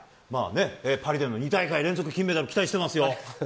パリでの２大会連続の金メダル、期待していますよ。